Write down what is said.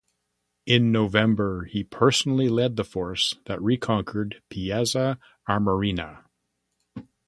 In November he personally led the force that reconquered Piazza Armerina.